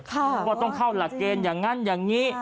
ว่าต้องเข้าหลักเกณฑ์อย่างนั้นอย่างนี้